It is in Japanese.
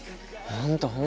本当。